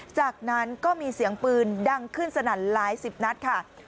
จากนั้นก็มีเสียงปืนดังขึ้นสนั่นหลายสิบนัดค่ะ